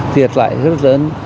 thiệt lại rất lớn